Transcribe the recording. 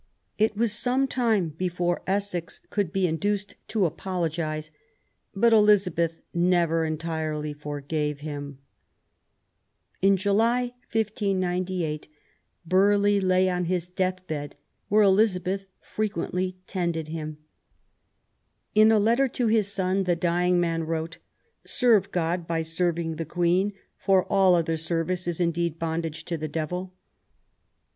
It was some time before Essex could be induced to apologise, but Elizabeth never entirely forgave him. In July, 1598, Burghley lay on his deathbed, where Elizabeth frequently tended him. In a letter to his son the dying man wrote :" Serve God by serving* the Queen, for all other service is indeed bondage to the devil